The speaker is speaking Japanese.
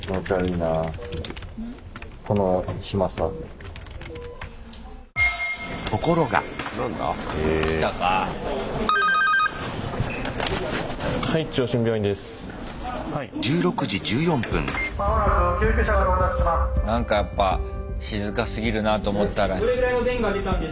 なんかやっぱ静かすぎるなと思ったら。